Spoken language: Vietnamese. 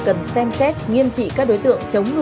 cần xem xét nghiêm trị các đối tượng